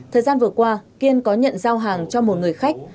thời gian vừa qua kiên có nhận giao hàng cho một người khách